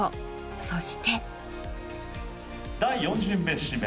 そして。